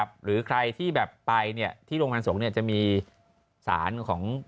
ปืนไปไหน